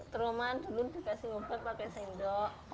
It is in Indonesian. trauma dulu dikasih obat pakai sendok